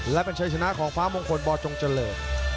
และเป็นชัยชนะของฟ้ามงคลบจงเจริญ